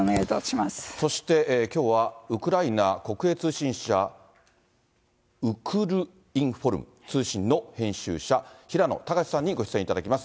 そしてきょうは、ウクライナ国営通信社、ウクルインフォルム通信の編集者、平野高志さんにご出演いただきます。